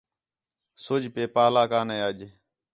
سُج پے پَہلا کانے اَڄ